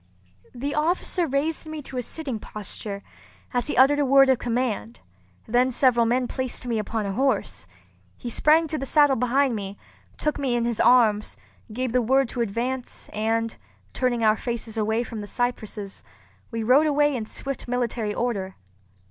The officer raised me to a sitting posture, as he uttered a word of command; then several men placed me upon a horse. He sprang to the saddle behind me, took me in his arms, gave the word to advance; and, turning our faces away from the cypresses, we rode away in swift military order.